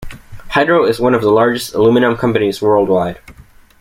Hydro is one of the largest aluminium companies worldwide.